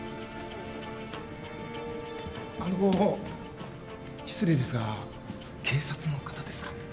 あの失礼ですが警察の方ですか？